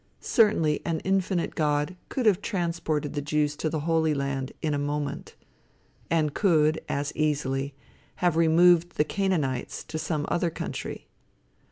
Certainly an infinite God could have transported the Jews to the Holy Land in a moment, and could, as easily, have removed the Canaanites to some other country.